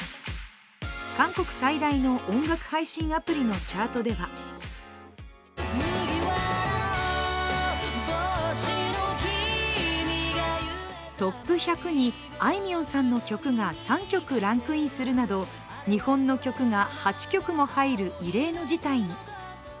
韓国最大の音楽配信アプリのチャートではトップ１００にあいみょんさんの曲が３曲ランクインするなど日本の曲が８曲も入る異例の事態に。